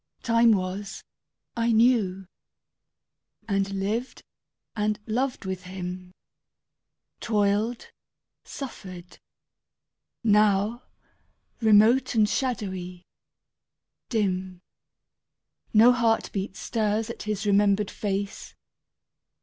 Time was I knew, and lived and loved with him; Toiled, suffered. Now, remote and shadowy, dim, No heartbeat stirs at his remembered face.